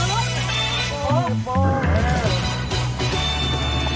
โป๊โป๊พอ